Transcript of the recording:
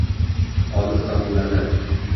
Olis sohillarda